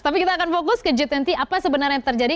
tapi kita akan fokus ke g dua puluh apa sebenarnya yang terjadi